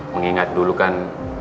mengingat dulu kan